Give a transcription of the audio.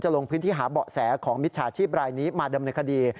ลงพื้นที่หาเบาะแสของมิจฉาชีพรายนี้มาดำเนินคดี